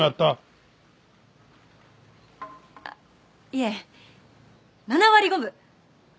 あっいえ７割５分。